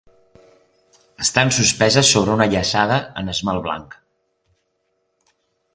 Estan suspeses sobre una llaçada en esmalt blanc.